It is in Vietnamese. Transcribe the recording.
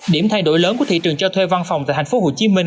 điểm thay đổi lớn của thị trường cho thuê văn phòng tại thành phố hồ chí minh